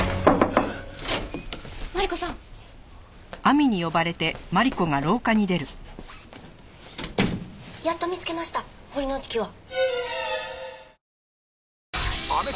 マリコさん。やっと見つけました堀之内希和。